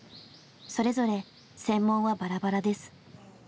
それぞれ専門はバラバラです。